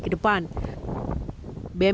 bukan hanya ke depan